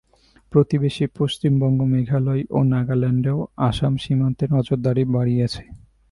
প্রতিবেশী পশ্চিমবঙ্গ, মেঘালয় ও নাগাল্যান্ডও আসাম সীমান্তে নজরদারি বাড়িয়েছে।